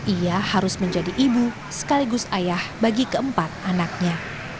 ia harus menjadi ibu sekaligus ayah bagi keempat anaknya